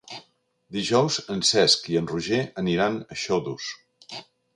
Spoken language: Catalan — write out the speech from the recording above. Dijous en Cesc i en Roger aniran a Xodos.